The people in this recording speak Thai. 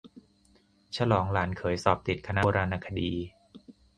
ฉลองหลานเขยสอบติดคณะโบราณคดี